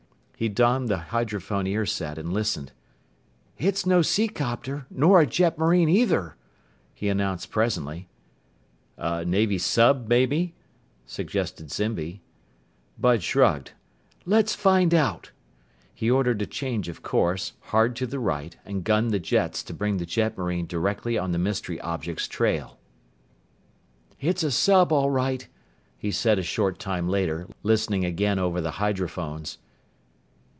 He donned the hydrophone earset and listened. "It's no seacopter, nor a jetmarine either," he announced presently. "A Navy sub, maybe?" suggested Zimby. Bud shrugged. "Let's find out." He ordered a change of course, hard to the right, and gunned the jets to bring the jetmarine directly on the mystery object's trail. "It's a sub, all right," he said a short time later, listening again over the hydrophones.